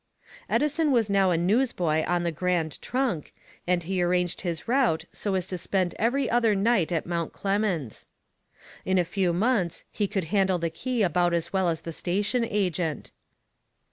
Edison was now a newsboy on the Grand Trunk, and he arranged his route so as to spend every other night at Mount Clemens. In a few months he could handle the key about as well as the station agent.